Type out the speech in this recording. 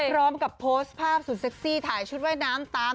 พร้อมกับโพสต์ภาพสุดเซ็กซี่ถ่ายชุดว่ายน้ำตาม